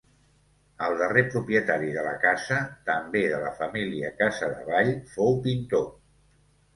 El darrer propietari de la casa, també de la família Casadevall, fou pintor.